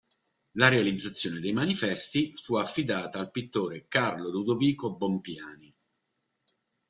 La realizzazione dei manifesti fu affidata al pittore Carlo Ludovico Bompiani.